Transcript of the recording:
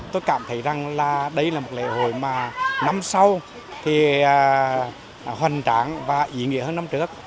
tôi cảm thấy rằng đây là một lễ hội năm sau hoành trạng và diễn diễn hơn năm trước